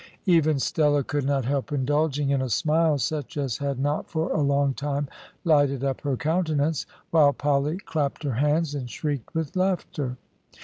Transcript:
Even Stella could not help indulging in a smile such as had not for a long time lighted up her countenance, while Polly clapped her hands, and shrieked with laughter.